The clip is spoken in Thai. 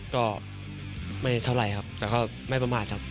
ก็ไม่เท่าไหร่ครับแต่ก็ไม่ประมาทครับ